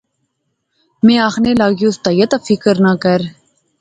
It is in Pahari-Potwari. ما آخنے لاغیوس، تہئے تو فکر نہ کر